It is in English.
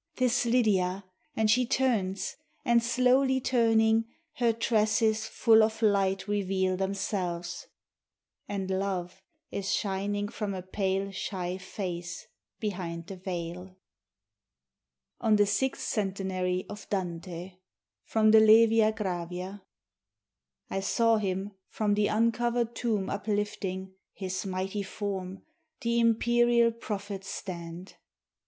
'Tis Lidia, and she turns, and slowly turning, Her tresses full of light reveal themselves, And love is shining from a pale shy face Behind the veil. ON THE SIXTH CENTENARY OF DANTE From the 'Levia Gravia' I saw him, from the uncovered tomb uplifting His mighty form, the imperial prophet stand.